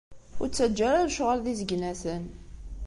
Ur ttaǧǧa ara lecɣal d izegnaten.